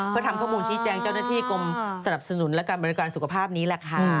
เพื่อทำข้อมูลชี้แจงเจ้าหน้าที่กรมสนับสนุนและการบริการสุขภาพนี้แหละค่ะ